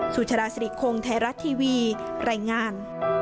สุจราศรีโครงไทยรัฐทีวีรายงาน